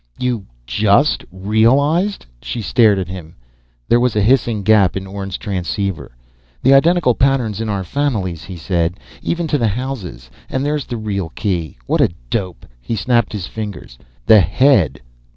"You just realized?" She stared at him. There was a hissing gasp in Orne's transceiver. "The identical patterns in our families," he said. "Even to the houses. And there's the real key. What a dope!" He snapped his fingers. "_The head!